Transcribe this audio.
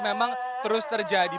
memang terus terjadi